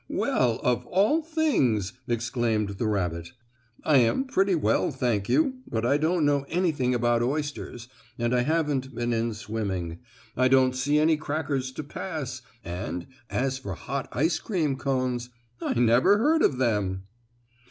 "Well of all things!" exclaimed the rabbit. "I am pretty well, thank you, but I don't know anything about oysters, and I haven't been in swimming. I don't see any crackers to pass, and, as for hot ice cream cones, I never heard of them."